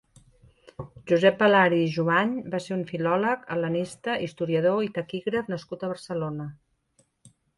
Josep Balari i Jovany va ser un filòleg, hel·lenista, historiador i taquígraf nascut a Barcelona.